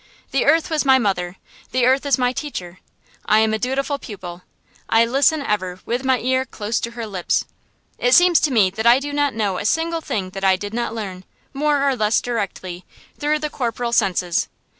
The earth was my mother, the earth is my teacher. I am a dutiful pupil: I listen ever with my ear close to her lips. It seems to me I do not know a single thing that I did not learn, more or less directly, through the corporal senses.